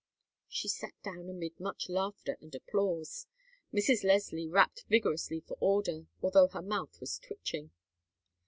She sat down amid much laughter and applause. Mrs. Leslie rapped vigorously for order, although her mouth was twitching.